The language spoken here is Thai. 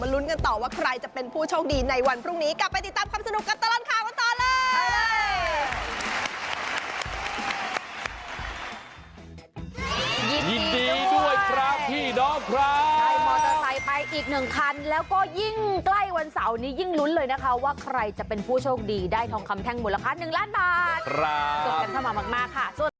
ลุ้นกันต่อว่าใครจะเป็นผู้โชคดีในวันพรุ่งนี้กลับไปติดตามความสนุกกับตลอดข่าวกันต่อเลย